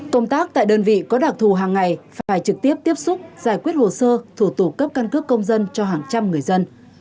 công tác tại đơn vị có đặc thù hàng ngày phải trực tiếp tiếp xúc giải quyết hồ sơ thủ tục cấp căn cước công dân cho hàng trăm người dân